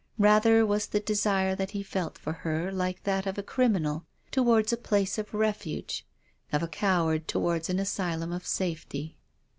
Rather was the desire that he felt for her like that of a criminal towards a place of refuge, of a coward towards an asylum of safety.